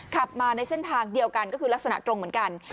ขับมาในเส้นทางเดียวกันก็คือลักษณะตรงเหมือนกัน